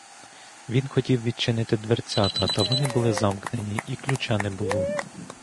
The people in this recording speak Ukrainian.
Він хотів відчинити дверцята, та вони були замкнені, і ключа не було.